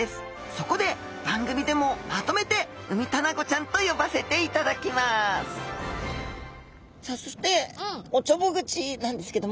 そこで番組でもまとめてウミタナゴちゃんと呼ばせていただきますさあそしておちょぼ口なんですけども。